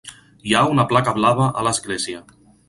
Hi ha una Placa Blava a l'església.